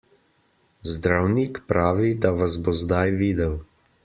Zdravnik pravi, da vas bo zdaj videl.